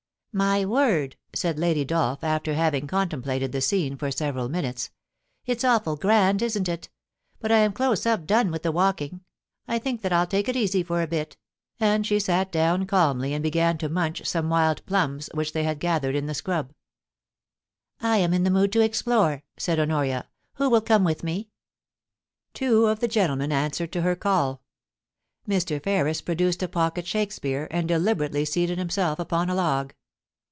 * My word !' said Lady Dolph, after having contemplated the scene for several minutes. * It*s awful grand, isn't it ? but I am close up done with the walking. I think that I'll take it easy for a bit,' and she sat down calmly and began to munch some wild plums which they had gathered in the ^rub. * I am in the mood to explore,' said Honoria ;* who will come with me ?' Two of the gentlemen answered to her call Mr. Ferris produced a pocket Shakespeare, and deliberately seated himself upon a log.